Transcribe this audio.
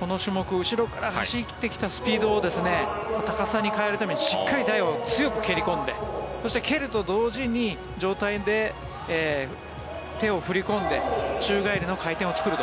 後ろから走ってきたスピードを高さに変えるためにしっかり台を蹴り込んで蹴ると同時に状態で手を振りこんで宙返りの回転を作ると。